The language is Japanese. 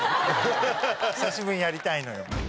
久しぶりにやりたいのよ。